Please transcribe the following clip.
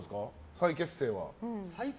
再結成は。